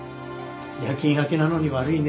夜勤明けなのに悪いね。